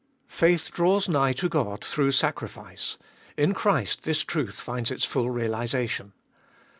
Faith draws nigh to God through sacrifice ; in Christ this truth finds its full realisation.